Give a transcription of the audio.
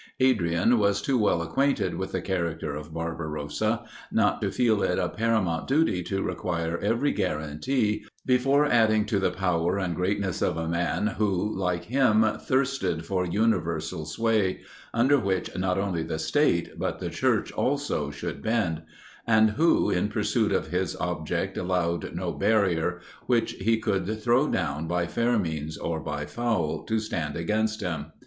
Adrian was too well acquainted with the character of Barbarossa, not to feel it a paramount duty to require every guarantee, before adding to the power and greatness of a man who, like him, thirsted for universal sway, under which not only the State, but the Church also should bend; and who, in pursuit of his object allowed no barrier, which he could throw down by fair means or by foul, to stand against him.